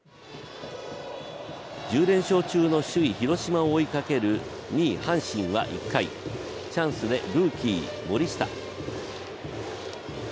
１０連勝中の首位・広島を追いかける２位・阪神は１回チャンスでルーキー・森下。